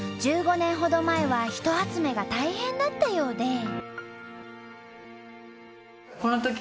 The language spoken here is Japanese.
１５年ほど前は人集めが大変だったようで。